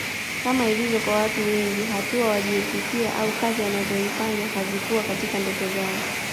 Kama ilivyo kwa watu wengi hatua waliyoifikia au kazi wanazoifanya hazikuwa katika ndoto zao